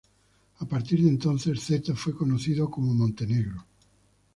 A partir de entonces, Zeta fue conocido como Montenegro.